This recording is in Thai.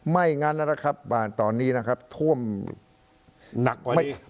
ไม่งั้นนะครับบ้านตอนนี้นะครับท่วมหนักกว่านี้